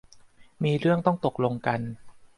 มีเรื่องต้องตกลงกัน